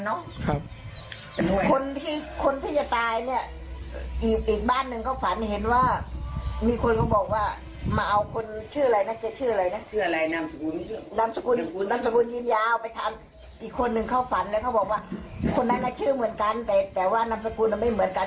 นามสกุลนามสกุลยินยาเอาไปทางอีกคนหนึ่งเขาฝันแล้วเขาบอกว่าคนนั้นน่ะชื่อเหมือนกันแต่ว่านามสกุลมันไม่เหมือนกัน